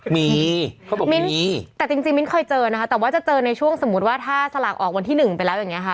มีเขาบอกมิ้นมีแต่จริงมิ้นเคยเจอนะคะแต่ว่าจะเจอในช่วงสมมุติว่าถ้าสลากออกวันที่หนึ่งไปแล้วอย่างนี้ค่ะ